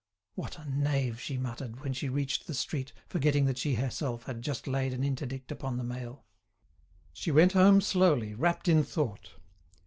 "What a knave," she muttered, when she reached the street, forgetting that she herself had just laid an interdict upon the mail. She went home slowly, wrapped in thought.